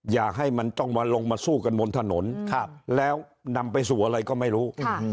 อยากให้มันต้องมาลงมาสู้กันบนถนนแล้วนำไปสู่อะไรก็ไม่รู้